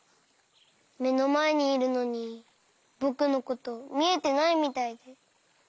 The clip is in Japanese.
めのまえにいるのにぼくのことみえてないみたいで。